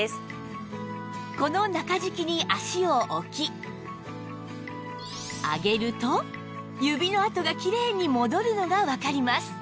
この中敷きに足を置き上げると指の跡がきれいに戻るのがわかります